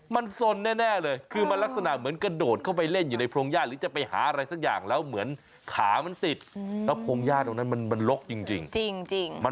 เป็นอย่างไรนะคะ